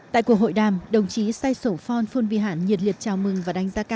tại cuộc hội đàm đồng chí say sổn phon phong vi hẳn nhiệt liệt chào mừng và đánh giá cao